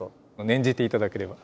念じて頂ければ。